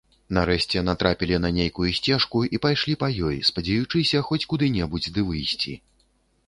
Нарэшце, натрапілі на нейкую сцежку і пайшлі па ёй, спадзеючыся хоць куды-небудзь ды выйсці.